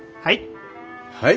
はい。